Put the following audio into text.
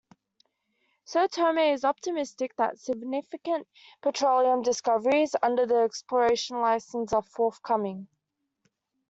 São Tomé is optimistic that significant petroleum discoveries under the exploration licence are forthcoming.